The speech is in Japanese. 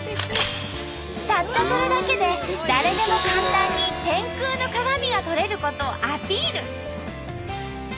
たったそれだけで誰でも簡単に天空の鏡が撮れることをアピール。